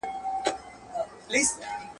پسرلي به وي شیندلي سره ګلونه.